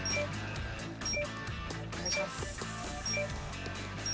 お願いします。